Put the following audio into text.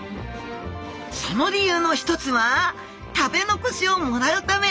その理由の一つは食べ残しをもらうため。